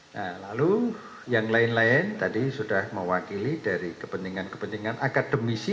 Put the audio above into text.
nah lalu yang lain lain tadi sudah mewakili dari kepentingan kepentingan akademisi